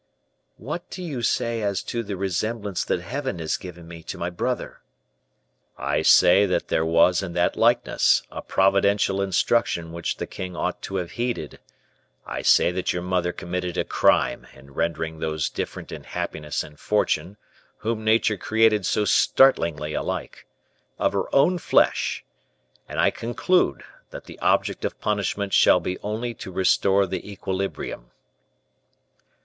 "What do you say as to the resemblance that Heaven has given me to my brother?" "I say that there was in that likeness a providential instruction which the king ought to have heeded; I say that your mother committed a crime in rendering those different in happiness and fortune whom nature created so startlingly alike, of her own flesh, and I conclude that the object of punishment should be only to restore the equilibrium."